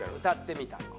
歌ってみた。